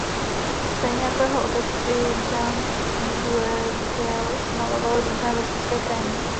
Stejně jako jeho otec i Jan Brueghel maloval různé vesnické krajiny.